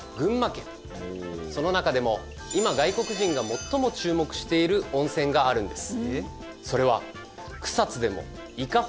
その中でも今外国人が最も注目している温泉があるんです。